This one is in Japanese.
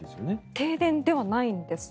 停電ではないんですね。